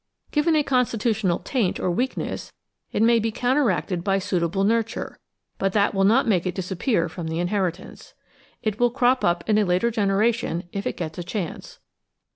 Given a constitutional taint or weakness, it may be counteracted by suitable "nurture," but that will not make it disappear from the inheritance. It will crop up in a later generation if it gets a chance.